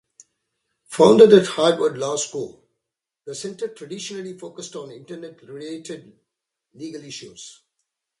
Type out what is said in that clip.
Founded at Harvard Law School, the center traditionally focused on internet-related legal issues.